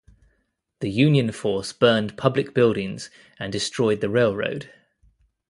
The Union force burned public buildings and destroyed the railroad.